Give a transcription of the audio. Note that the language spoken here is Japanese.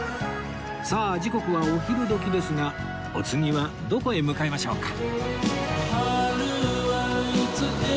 さあ時刻はお昼時ですがお次はどこへ向かいましょうか？